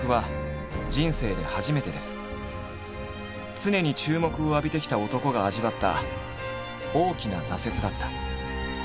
常に注目を浴びてきた男が味わった大きな挫折だった。